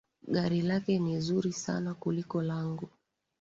Gari lake ni zuri sana kuliko langu